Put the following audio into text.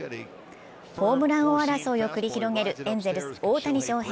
ホームラン王争いを繰り広げるエンゼルス・大谷翔平。